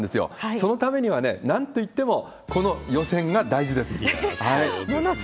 そのためにはね、なんといってもこの予選が大事です。